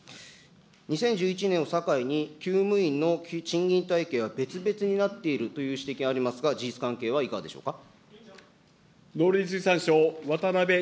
２０１１年を境にきゅう務員の賃金体系は別々になっているという指摘がありますが、事実関係はいかがでしょうか。